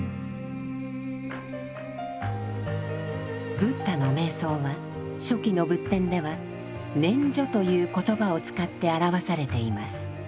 ブッダの瞑想は初期の仏典では「念処」という言葉を使って表されています。